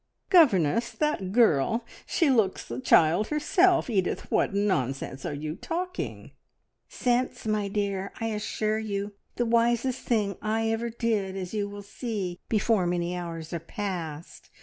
"Governess! That girl! She looks a child herself. Edith, what nonsense are you talking?" "Sense, my dear, I assure you. The wisest thing I ever did, as you will see before many hours are past.